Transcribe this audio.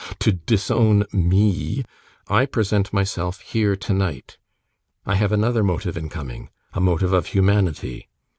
to disown ME, I present myself here tonight. I have another motive in coming: a motive of humanity.